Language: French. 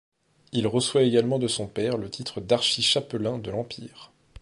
Il reçoit également de son père le titre d'archi-chapelain de l'Empire.